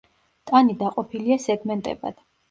ტანი დაყოფილია სეგმენტებად.